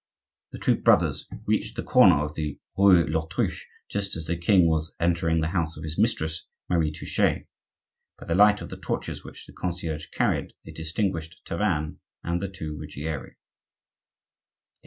The two brothers reached the corner of the rue de l'Autruche just as the king was entering the house of his mistress, Marie Touchet. By the light of the torches which the concierge carried, they distinguished Tavannes and the two Ruggieri.